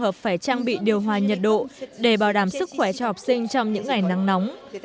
hợp phải trang bị điều hòa nhiệt độ để bảo đảm sức khỏe cho học sinh trong những ngày nắng nóng